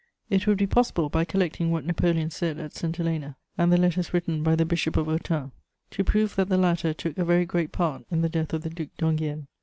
It would be possible, by collecting what Napoleon said at St. Helena and the letters written by the Bishop of Autun, to prove that the latter took a very great part in the death of the Duc d'Enghien.